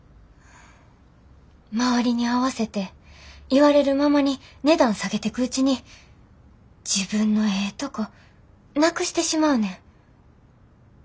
周りに合わせて言われるままに値段下げてくうちに自分のええとこなくしてしまうねん。